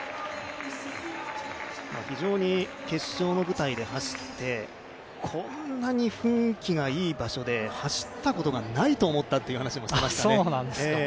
非常に決勝の舞台で走ってこんなに雰囲気がいい場所で走ったことがないと思ったという話もしていましたね。